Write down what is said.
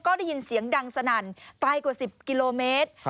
ก็ได้ยินเสียงดังสนั่นไกลกว่า๑๐กิโลเมตร